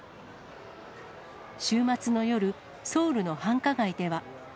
週末の夜、ソウルの繁華街では。